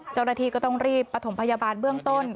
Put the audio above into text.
เจ้าหน้าที่ก็ต้องรีบประถมพยาบาลเบื้องต้น